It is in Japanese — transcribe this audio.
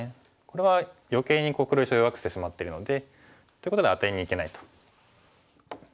これは余計に黒石を弱くしてしまってるのでっていうことでアテにいけないと。